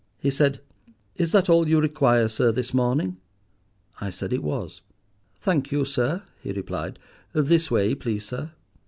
He said, 'Is that all you require, sir, this morning?' I said it was. "'Thank you, sir,' he replied. 'This way, please, sir.